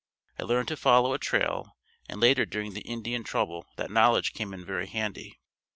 I learned to follow a trail and later during the Indian trouble that knowledge came in very handy.